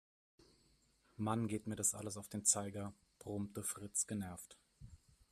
Mann, geht mir das alles auf den Zeiger, brummte Fritz genervt.